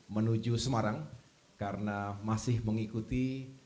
menuju semarang karena masih mengikuti